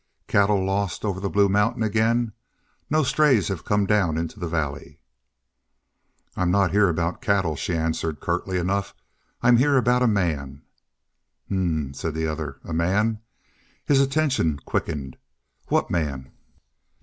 Cattle lost over the Blue Mountains again? No strays have come down into the valley." "I'm not here about cattle," she answered curtly enough. "I'm here about a man." "H'm," said the other. "A man?" His attention quickened. "What man?"